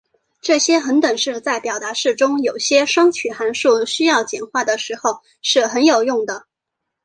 这些恒等式在表达式中有些双曲函数需要简化的时候是很有用的。